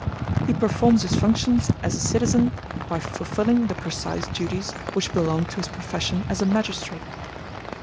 He performs his functions as a citizen by fulfilling the precise duties which belong to his profession as a magistrate.